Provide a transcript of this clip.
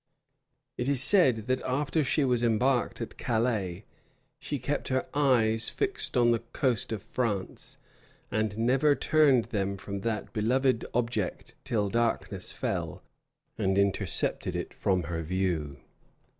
It is said, that after she was embarked at Calais, she kept her eyes fixed on the coast of France, and never turned them from that beloved object till darkness fell, and intercepted it from her view.